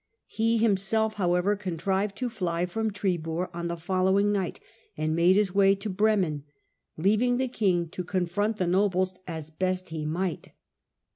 He himself, however, contrived to fly from Tribur on the following night, and made his way to Bremen ; leav ing the king to confront the nobles as best he might.